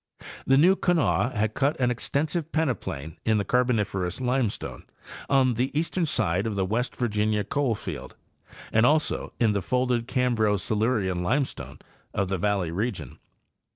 The New Kanawha had cut an extensive peneplain in the Carboniferous limestone on the eastern side of the West Virginia coal field, and also in the folded Cambro Silurian limestone of the valley region.